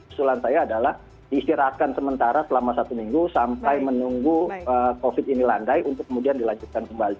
usulan saya adalah diistirahatkan sementara selama satu minggu sampai menunggu covid ini landai untuk kemudian dilanjutkan kembali